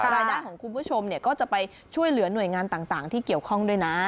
รายได้ของคุณผู้ชมก็จะไปช่วยเหลือหน่วยงานต่างที่เกี่ยวข้องด้วยนะ